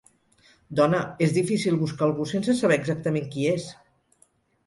Dona, és difícil buscar algú sense saber exactament qui és.